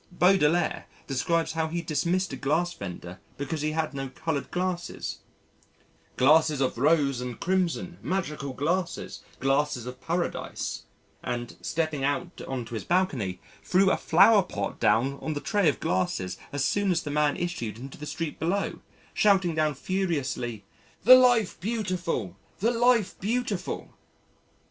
Baudelaire describes how he dismissed a glass vendor because he had no coloured glasses "glasses of rose and crimson, magical glasses, glasses of Paradise" and, stepping out on to his balcony, threw a flowerpot down on the tray of glasses as soon as the man issued into the street below, shouting down furiously, "The Life Beautiful! The Life Beautiful."